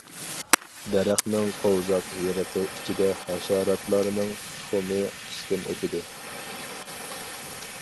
دەرەخنىڭ قوۋزاق يېرىقى ئىچىدە ھاشاراتلارنىڭ تۇخۇمى قىشتىن ئۆتىدۇ.